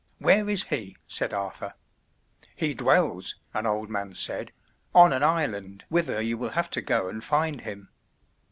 "Where is he?" said Arthur. "He dwells," an old man said, "on an island whither you will have to go and find him.